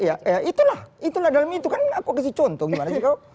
ya itulah itulah dalam itu kan aku kasih contoh gimana sih kok